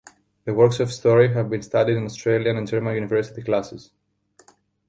The works of Story have been studied in Australian and German university classes.